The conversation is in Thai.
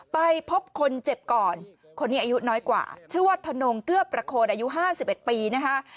ไปพบคนเจ็บก่อนคนนี้อายุน้อยกว่าชื่อว่าทนงเกื้อประโคนอายุ๕๑ปีนะคะ